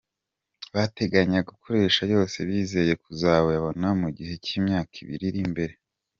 bateganya gukoresha yose bizeye kuzayabona mu gihe cy’imyaka ibiri iri imbere